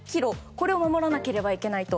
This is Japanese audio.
これを守らなければいけないと。